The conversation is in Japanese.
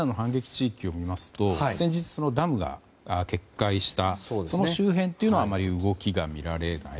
地域を見ますと先日、ダムが決壊したその周辺というのは動きが見られない。